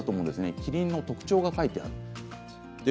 キリンの特徴が書いています。